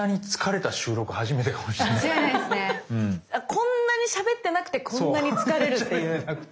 こんなにしゃべってなくてこんなに疲れるっていう。